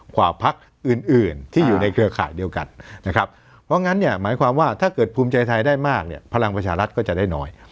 กว่าพักอื่นที่อยู่ในเครือข่ายเดียวกันนะครับเพราะงั้นเนี่ยหมายความว่าถ้าเกิดภูมิใจไทยได้มากเนี่ยพลังประชารัฐก็จะได้น้อย